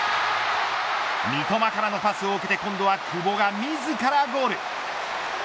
三笘からのパスを受けて今度は久保が自らゴール。